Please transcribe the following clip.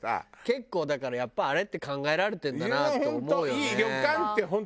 結構だからやっぱあれって考えられてるんだなって思うよね。